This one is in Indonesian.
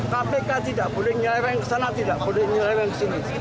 kpk tidak boleh nyelereng ke sana tidak boleh nyelereng ke sini